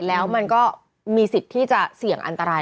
แล้วมันก็มีสิทธิ์ที่จะเสี่ยงอันตราย